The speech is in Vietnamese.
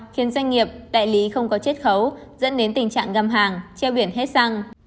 khiến doanh nghiệp đại lý không có chết khấu dẫn đến tình trạng găm hàng treo biển hết xăng